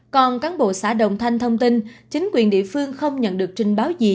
còn cán bộ xã đồng thanh thông tin chính quyền địa phương không nhận được trình báo gì